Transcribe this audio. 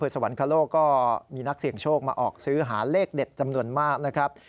สวรรคโลกก็มีนักเสี่ยงโชคมาออกซื้อหาเลขเด็ดจำนวนมากนะครับ